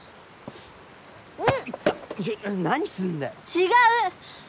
違う！